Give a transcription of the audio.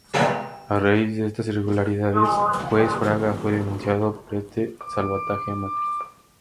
A raiz de estas irregularidades juez Fraga fue denunciado por este salvataje a Macri.